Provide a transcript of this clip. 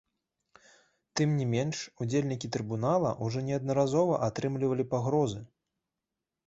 Тым не менш, удзельнікі трыбунала ўжо неаднаразова атрымлівалі пагрозы.